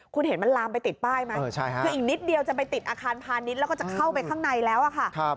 คุณเห็นมันลามไปติดป้ายไหมคืออีกนิดเดียวจะไปติดอาคารพาณิชย์แล้วก็จะเข้าไปข้างในแล้วค่ะ